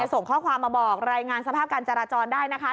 ส่งข้อความมาบอกรายงานสภาพการจราจรได้นะคะ